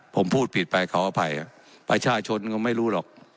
ผมพูดผิดไปขออภัยประชาชนก็ไม่รู้หรอก